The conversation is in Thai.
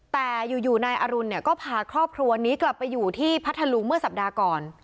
แต่อยู่นายอรุณเนี่ยก็พาครอบครัวนี้กลับไปอยู่ที่พัทธลุงเมื่อสัปดาห์ก่อน